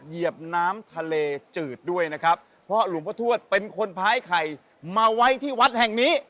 เหยียบน้ำทะเลจืดด้วยนะครับเพราะหลวงพ่อทวดเป็นคนพายไข่มาไว้ที่วัดแห่งนี้